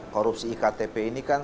korupsi iktp ini kan